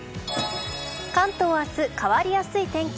関東明日、変わりやすい天気。